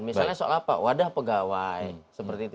misalnya soal apa wadah pegawai